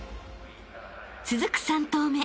［続く３投目］